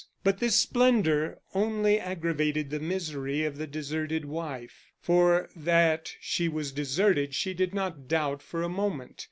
But this splendor only aggravated the misery of the deserted wife, for that she was deserted she did not doubt for a moment.